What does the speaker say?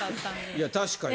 いや確かに。